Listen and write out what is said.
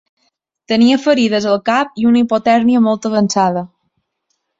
Tenia ferides al cap i una hipotèrmia molt avançada.